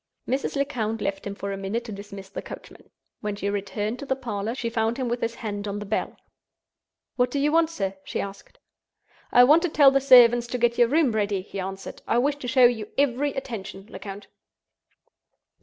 Mrs. Lecount left him for a minute to dismiss the coachman. When she returned to the parlor she found him with his hand on the bell. "What do you want, sir?" she asked. "I want to tell the servants to get your room ready," he answered. "I wish to show you every attention, Lecount."